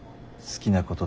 好きなこと？